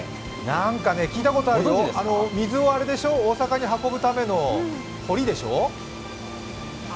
なんかね、聞いたことあるよ水を大阪に運ぶための堀でしょ？